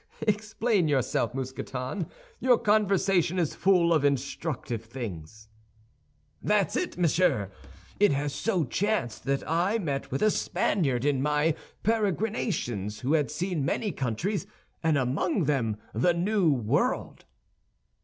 "Explain yourself, Mousqueton; your conversation is full of instructive things." "That is it, monsieur. It has so chanced that I met with a Spaniard in my peregrinations who had seen many countries, and among them the New World."